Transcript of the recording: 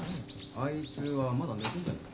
・あいつはまだ寝てんじゃないか？